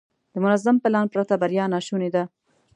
د منظم پلان پرته بریا ناشونې ده.